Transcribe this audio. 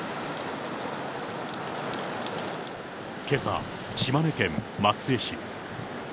けさ、島根県松江市。